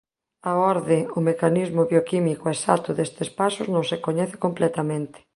A orde o mecanismo bioquímico exacto destes pasos non se coñece completamente.